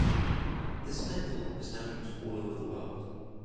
This manual is now used all over the world.